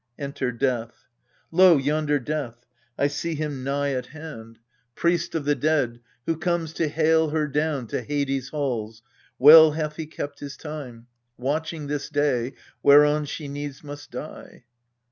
[Enter DEATH. Lo, yonder Death ! I see him nigh at hand, 199 200 EURIPIDES Priest of the dead, who comes to hale her down To Hades' halls well hath he kept his time, Watching this day, whereon she needs must die.